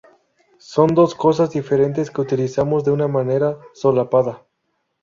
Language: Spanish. Son dos cosas diferentes que utilizamos de una manera solapada.